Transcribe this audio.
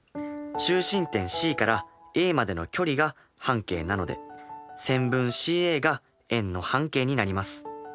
中心点ＣからＡまでの距離が半径なので線分ＣＡが円の半径になります。